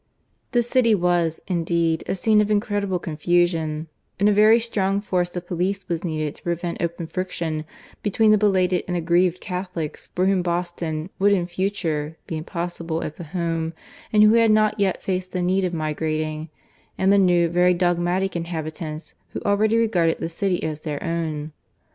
The city was, indeed, a scene of incredible confusion; and a very strong force of police was needed to prevent open friction between the belated and aggrieved Catholics for whom Boston would in future be impossible as a home, and who had not yet faced the need of migrating, and the new, very dogmatic inhabitants who already regarded the city as their own.